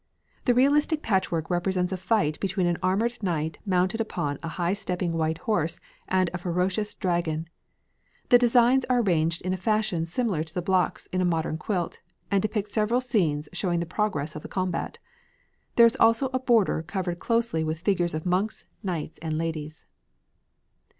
This realistic patchwork represents a fight between an armoured knight mounted on a high stepping white horse and a ferocious dragon. The designs are arranged in a fashion similar to the blocks in a modern quilt, and depict several scenes showing the progress of the combat. There is also a border covered closely with figures of monks, knights, and ladies.